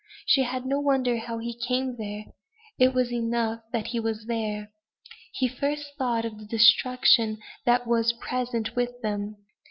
She had no wonder how he came there: it was enough that he was there. He first thought of the destruction that was present with them.